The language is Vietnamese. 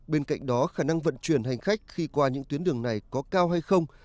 bên cạnh đó khả năng vận chuyển hành khách khi qua những tuyến đường này có cao hay không